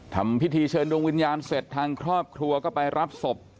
ทำพิธีเชิญดวงวิญญาณเสร็จทางครอบครัวก็ไปรับศพ